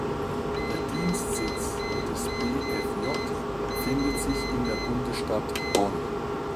Der Dienstsitz des BfJ befindet sich in der Bundesstadt Bonn.